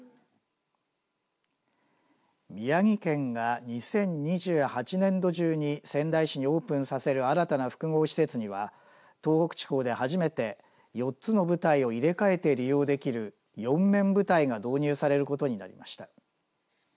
宮城県が２０２８年度中に仙台市にオープンさせる新たな複合施設には東北地方で初めて４つの舞台を入れ替えて利用できる四面舞台が導入されることになりました。